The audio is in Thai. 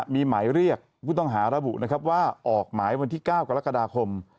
มีหมายเรียกผู้ต้องหาระบุนะครับว่าออกหมายวันที่๙กรกฎาคม